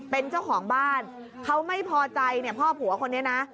เป็นเจ้าของบ้านเขาไม่พอใจเนี่ยพ่อผัวคนนี้นะ